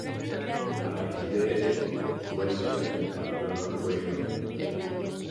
A raíz de esto, Suecia invadió Noruega.